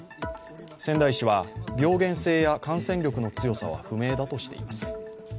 仙台市は、病原性や感染力の強さは不明だとしています。